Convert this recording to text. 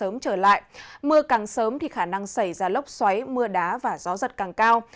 sớm trở lại mưa càng sớm thì khả năng xảy ra lốc xoáy mưa đá và gió giật càng cao